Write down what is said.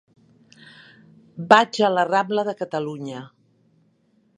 Vaig a la rambla de Catalunya.